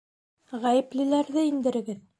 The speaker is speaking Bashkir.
Ғәйеплеләрҙе индерегеҙ!